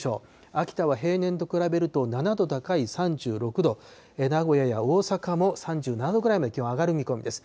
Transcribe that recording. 秋田は平年と比べると７度高い３６度、名古屋や大阪も３７度ぐらいまで気温が上がる見込みです。